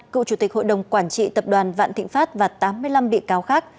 cựu chủ tịch hội đồng quản trị tập đoàn vạn thịnh pháp và tám mươi năm bị cáo khác